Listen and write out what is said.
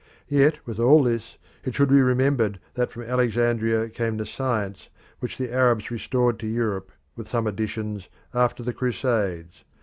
Yet with all this it should be remembered that from Alexandria came the science which the Arabs restored to Europe, with some additions, after the Crusades.